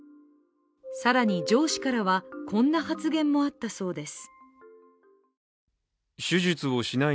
更に上司からはこんな発言もあったそうです。